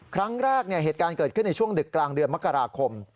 ครั้งแรกเนี่ยเหตุการณ์เกิดขึ้นในช่วงดึกกลางเดือนมกราคม